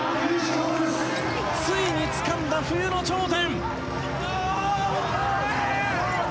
ついにつかんだ冬の頂点。